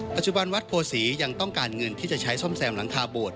ปัจจุบันวัดโพศียังต้องการเงินที่จะใช้ซ่อมแซมหลังคาโบสถ